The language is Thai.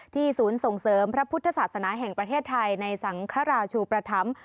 ศูนย์ส่งเสริมพระพุทธศาสนาแห่งประเทศไทยในสังคราชูประธรรม